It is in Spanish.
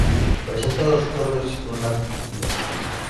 Presenta dos torres y una cúpula.